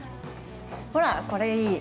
ほらこれいい。